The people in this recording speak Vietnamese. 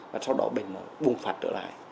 và sau đó bệnh nó bùng phạt trở lại